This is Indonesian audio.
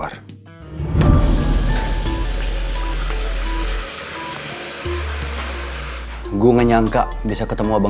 aku perangkat ya